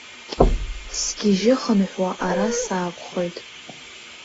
Сгьежьы-хынҳәуа ара саақәхоит.